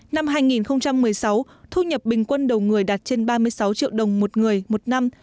năm hai nghìn một mươi sáu thu nhập bình quân đầu người đạt trên ba mươi sáu triệu đồng một người một năm